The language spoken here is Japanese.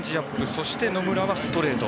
そして野村はストレート。